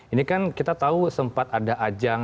ini kan kita tahu sempat ada ajang